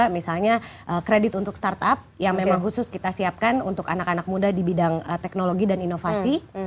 misalnya kredit untuk startup yang memang khusus kita siapkan untuk anak anak muda di bidang teknologi dan inovasi